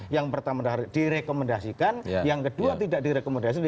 yang pertama direkomendasikan yang kedua tidak direkomendasi